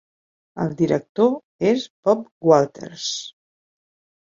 El director és Bob Walters.